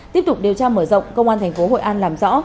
tiếp tục điều tra mở rộng công an tp hội an làm rõ